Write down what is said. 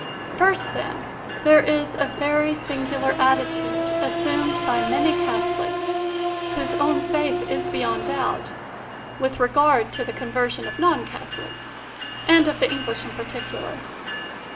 First, then, there is a very singular attitude assumed by many Catholics, whose own faith is beyond doubt, with regard to the conversion of non Catholics, and of the English in particular.